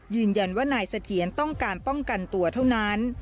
ยืนยันว่านายเสถียรต้องการป้องกันตัวเท่านั้น